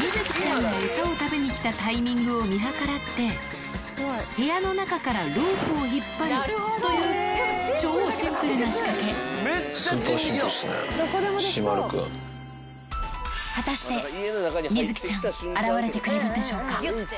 みづきちゃんが餌を食べに来たタイミングを見計らって、部屋の中からロープを引っ張るという、スーパーシンプルっすね、果たしてみづきちゃん、現れてくれるでしょうか？